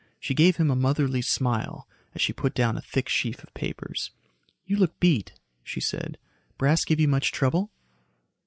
She gave him a motherly smile as she put down a thick sheaf of papers. "You look beat," she said. "Brass give you much trouble?"